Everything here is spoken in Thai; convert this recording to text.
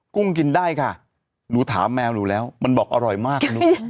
กุ้งกินได้ค่ะหนูถามแมวหนูแล้วมันบอกอร่อยมากลูก